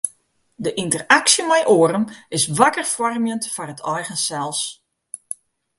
De ynteraksje mei oaren is wakker foarmjend foar it eigen sels.